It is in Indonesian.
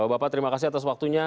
bapak bapak terima kasih atas waktunya